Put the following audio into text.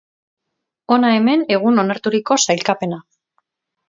Hona hemen egun onarturiko sailkapena.